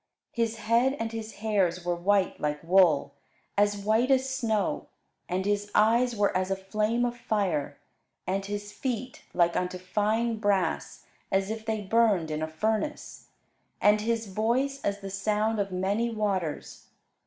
His head and his hairs were white like wool, as white as snow; and his eyes were as a flame of fire; and his feet like unto fine brass, as if they burned in a furnace; and his voice as the sound of many waters.